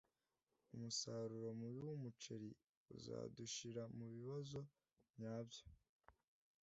Umusaruro mubi wumuceri uzadushira mubibazo nyabyo.